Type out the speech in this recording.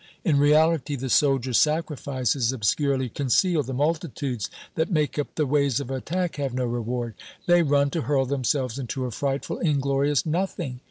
In reality, the soldier's sacrifice is obscurely concealed. The multitudes that make up the waves of attack have no reward. They run to hurl themselves into a frightful inglorious nothing.